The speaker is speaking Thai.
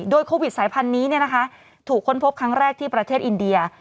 โควิดสายพันธุ์นี้ถูกค้นพบครั้งแรกที่ประเทศอินเดีย